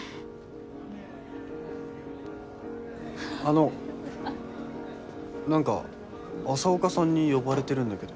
あの何か朝岡さんに呼ばれてるんだけど。